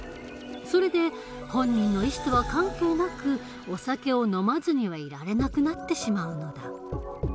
それで本人の意思とは関係なくお酒を飲まずにはいられなくなってしまうのだ。